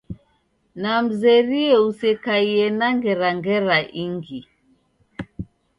Namzerie usekaie na ngera ngera ingi.